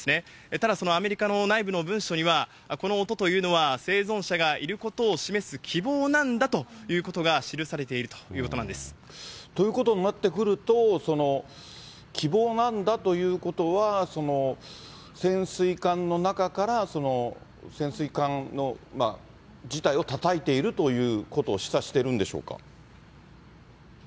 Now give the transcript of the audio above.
ただ、そのアメリカの内部の文書には、この音というのは、生存者がいることを示す希望なんだということが記されているといということになってくると、希望なんだということは、潜水艦の中から、潜水艦自体をたたいてるということを示唆しているんでしょうか。